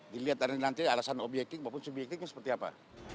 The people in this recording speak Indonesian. dilihat nanti alasan objektif maupun subjektifnya seperti apa